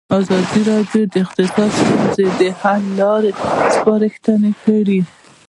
ازادي راډیو د اقتصاد د ستونزو حل لارې سپارښتنې کړي.